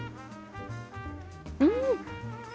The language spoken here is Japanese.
うん。